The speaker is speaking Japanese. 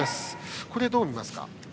これ、どう見ますか。